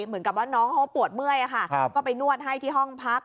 เหมือนกับว่าน้องเขาปวดเมื่อยก็ไปนวดให้ที่ห้องพัก